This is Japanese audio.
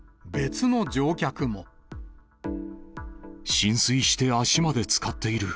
浸水して足までつかっている。